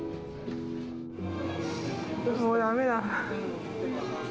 もうだめだ。